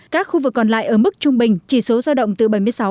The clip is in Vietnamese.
các khu vực còn lại ở mức trung bình chỉ số giao động từ bảy mươi sáu chín mươi sáu